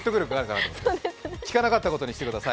聞かなかったことにしてください！